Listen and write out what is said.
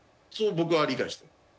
僕は理解してます。